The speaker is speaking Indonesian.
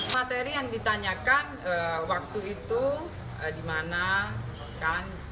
materi yang ditanyakan waktu itu di mana kan